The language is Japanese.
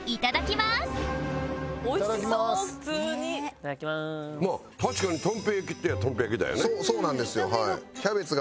まあ確かにとん平焼きっていえばとん平焼きだよね。